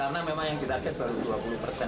karena memang yang kita ket baru dua puluh persen